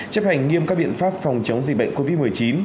chấp hành nghiêm các biện pháp phòng chống dịch bệnh covid một mươi chín